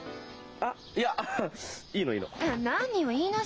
あっいやいいのいいの。